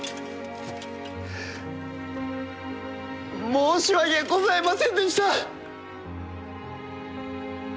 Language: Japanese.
申し訳ございませんでした！